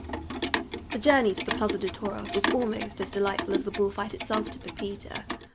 The journey to the Plaza de Toros was almost as delightful as the bull fight itself to Pepita.